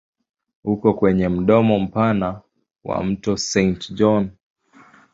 Uko kwenye mdomo mpana wa mto Saint John.